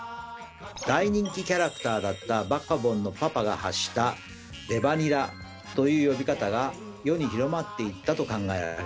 大人気キャラクターだったバカボンのパパが発した「レバニラ」という呼び方が世に広まっていったと考えられます。